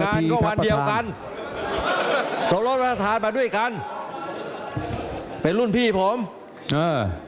งานก็วันเดียวกันสมรสพระราชทานมาด้วยกันเป็นรุ่นพี่ผมอ่า